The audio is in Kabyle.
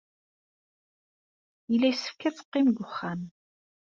Yella yessefk ad teqqim deg wexxam.